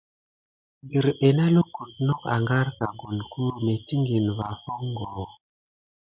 Dirɓe nā lukute not ágarka gulku metikine va hofungo.